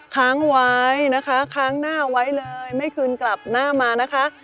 ค้างไว้นะคะค้างหน้าไว้เลยไม่คืนกลับหน้ามานะคะ